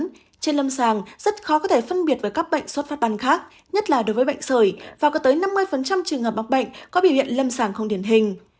trên lâm sàng rất khó có thể phân biệt với các bệnh sốt phát ban khác nhất là đối với bệnh sởi và có tới năm mươi trường hợp bóc bệnh có biểu hiện lâm sàng không điển hình